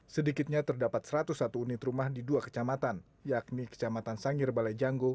sedikitnya terdapat satu ratus satu unit rumah di dua kecamatan yakni kecamatan sangir balai janggo